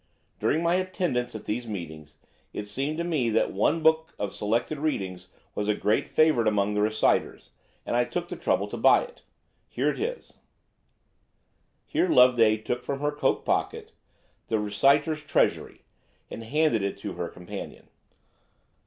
During my attendance at these meetings, it seemed to me that one book of selected readings was a great favourite among the reciters, and I took the trouble to buy it. Here it is." Here Loveday took from her cloak pocket "The Reciter's Treasury," and handed it to her companion.